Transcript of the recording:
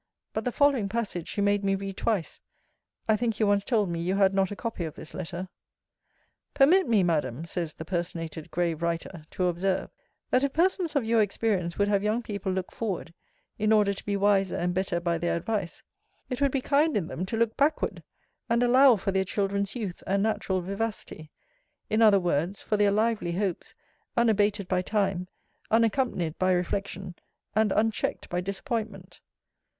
But the following passage she made me read twice. I think you once told me you had not a copy of this letter. 'Permit me, Madam, [says the personated grave writer,] to observe, That if persons of your experience would have young people look forward, in order to be wiser and better by their advice, it would be kind in them to look backward, and allow for their children's youth, and natural vivacity; in other words, for their lively hopes, unabated by time, unaccompanied by reflection, and unchecked by disappointment.